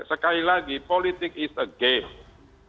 sekali lagi politik adalah pertempuran